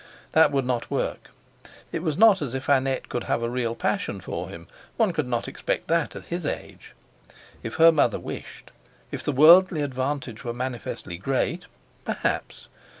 that would not work. It was not as if Annette could have a real passion for him; one could not expect that at his age. If her mother wished, if the worldly advantage were manifestly great—perhaps!